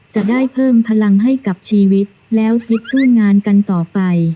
จะได้เพิ่มพลังให้กับชีวิตแล้วฟิตสู้งานกันต่อไป